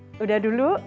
iya kita berkabar